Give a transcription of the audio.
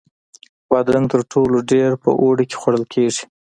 بادرنګ تر ټولو ډېر په اوړي کې خوړل کېږي.